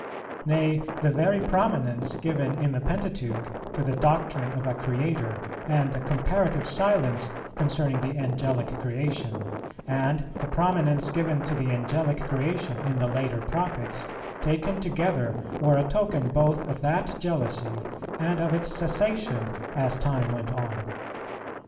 Nay, the very prominence given in the Pentateuch to the doctrine of a Creator, and the comparative silence concerning the Angelic creation, and the prominence given to the Angelic creation in the later Prophets, taken together, were a token both of that jealousy, and of its cessation, as time went on.